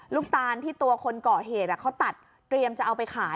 ลูกตาลที่ตัวคนก่อเหตุเขาตัดเตรียมจะเอาไปขาย